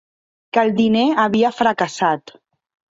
Que el diner havia fracassat.